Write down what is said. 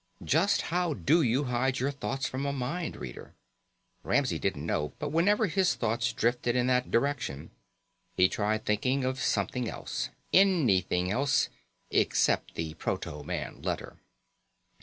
Just how do you hide your thoughts from a mind reader? Ramsey didn't know, but whenever his thoughts drifted in that direction he tried thinking of something else anything else, except the proto man letter.